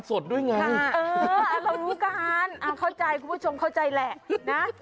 สดด้วยไงเออเออเรารู้การเอาเข้าใจคุณผู้ชมเข้าใจแหละนะ